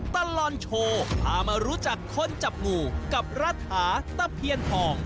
ตลอดโชว์พามารู้จักคนจับงูกับรัฐาตะเพียนทอง